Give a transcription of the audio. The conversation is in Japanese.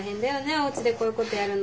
おうちでこういうことやるの。